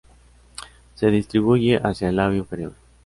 Se distribuye hacia el "labio inferior".